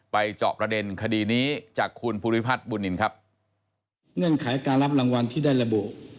ไปจอบระเด็นคดีนี้จากคุณภูริพัฒน์บุญนินครับ